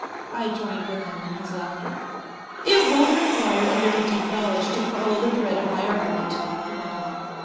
I joined with him in his laughter. "It won't require a very deep knowledge to follow the thread of my argument," he went on.